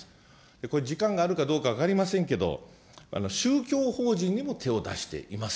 これ、時間があるか分かりませんけど、宗教法人にも手を出しています。